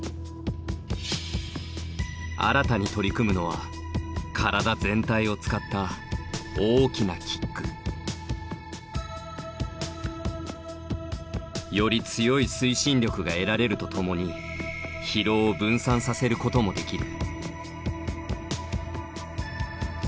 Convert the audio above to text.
新たに取り組むのは体全体を使った大きなキック。より強い推進力が得られるとともに疲労を分散させることもできる。